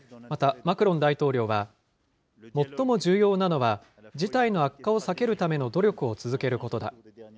また、マクロン大統領は、最も重要なのは、事態の悪化を避けるための努力を続けることだ。